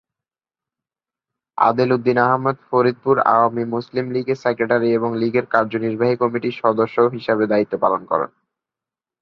আদেল উদ্দিন আহমদ ফরিদপুর আওয়ামী মুসলিম লীগের সেক্রেটারি এবং লীগের কার্যনির্বাহী কমিটির সদস্য হিসাবে দায়িত্ব পালন করেন।